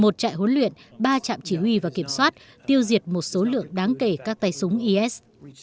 một trại huấn luyện ba trạm chỉ huy và kiểm soát tiêu diệt một số lượng đáng kể các tay súng is